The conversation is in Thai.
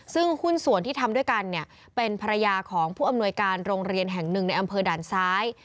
ซึ่งหุ้นส่วนที่ทำด้วยกันเนี่ยเป็นภรรยาของผู้อำนวยการโรงเรียนแห่งหนึ่งในอำเภอด่านซ้าย